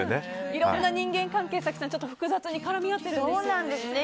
いろんな人間関係が早紀さん複雑に絡み合ってるんですよね。